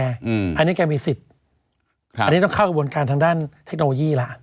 อันนี้แกมีสิทธิ์อันนี้ต้องเข้ากระบวนการทางด้านเทคโนโลยีแล้ว